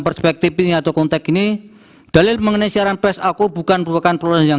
perspektif ini atau konteks ini dalil mengenai siaran pers aku bukan merupakan proses yang